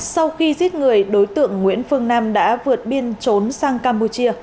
sau khi giết người đối tượng nguyễn phương nam đã vượt biên trốn sang campuchia